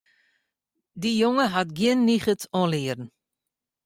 Dy jonge hat gjin niget oan learen.